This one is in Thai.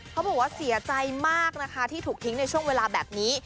เขาบอกว่าเสียใจมากนะคะที่ถูกทิ้งในช่วงเวลาแบบนี้